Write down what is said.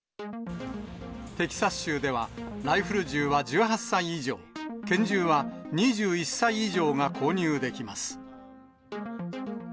テキサス州では、ライフル銃は１８歳以上、拳銃は２１歳以上が購入できます。